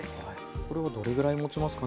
これはどれぐらいもちますかね？